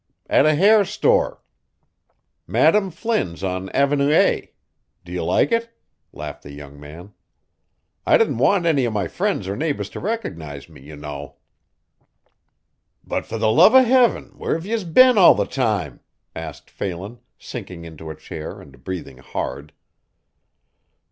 "At a hair store Madam Flynn's on Avenue A do you like it?" laughed the young man. "I didn't want any of my friends or neighbors to recognize me, you know." "But fer the love o' heaven where have yez been all the time?" asked Phelan, sinking into a chair and breathing hard.